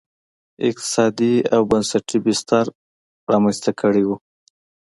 اقتصادي او بنسټي بستر رامنځته کړی و.